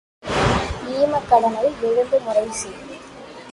ஈமக் கடனை எழுந்து முறை செய்.